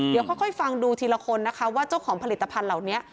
เดี๋ยวค่อยฟังดูทีละคนนะคะว่าเจ้าของผลิตภัณฑ์เหล่านี้